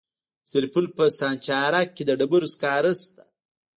د سرپل په سانچارک کې د ډبرو سکاره شته.